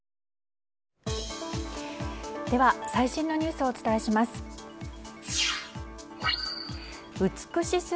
では、最新のニュースをお伝えします。